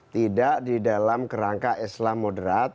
tidak di dalam kerangka islam moderat